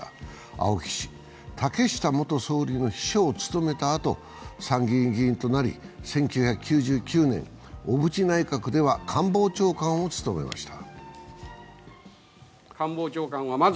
青木氏は竹下元総理の秘書を務めたあと参議院議員となり１９９９年、小渕内閣では官房長官を務めました。